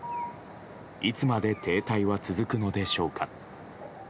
いつまで停滞は続くのでしょうか。